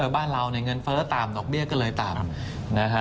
บ้านเราในเงินเฟ้อตามดอกเบี้ยก็เลยตาม